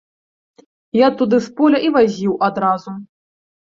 Я туды з поля і вазіў адразу.